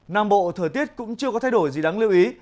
nam bộ thời tiết cũng chưa có thay đổi gì đáng lưu ý